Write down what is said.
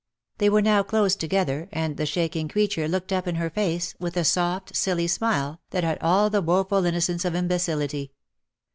They were now close together, and the shaking creature looked up in her face, with a soft, silly smile, that had all the woful innocence of imbecility.